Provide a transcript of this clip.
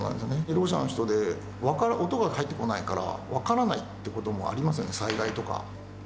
ろう者の人で、音が入ってこないから分からないってこともありますよね、災害とか。